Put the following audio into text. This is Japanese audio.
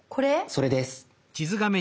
それです。